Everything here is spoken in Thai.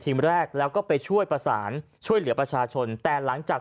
แรกแล้วก็ไปช่วยประสานช่วยเหลือประชาชนแต่หลังจาก